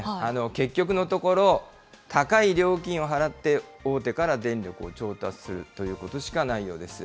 結局のところ、高い料金を払って、大手から電力を調達するということしかないようです。